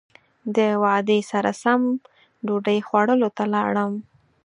د وعدې سره سم ډوډۍ خوړلو ته لاړم.